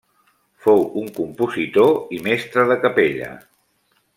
Fou un compositor i mestre de capella.